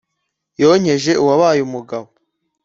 Yonkeje uwabaye umugabo